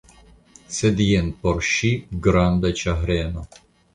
Sed jen por ŝi granda ĉagreno.